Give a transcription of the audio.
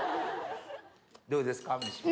どうですか？